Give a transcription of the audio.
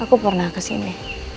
aku pernah kesini